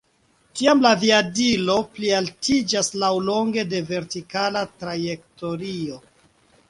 Tiam la aviadilo plialtiĝas laŭlonge de vertikala trajektorio.